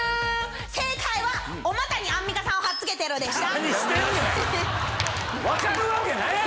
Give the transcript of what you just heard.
正解はお股にアンミカさんを張っ付けてるでした。